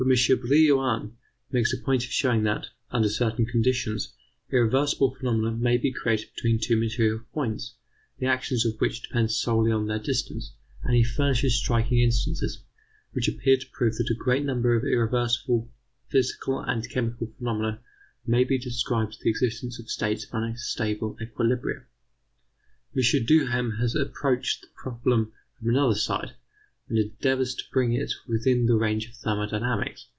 Brillouin makes a point of showing that, under certain conditions, irreversible phenomena may be created between two material points, the actions of which depend solely on their distance; and he furnishes striking instances which appear to prove that a great number of irreversible physical and chemical phenomena may be ascribed to the existence of states of unstable equilibria. M. Duhem has approached the problem from another side, and endeavours to bring it within the range of thermodynamics.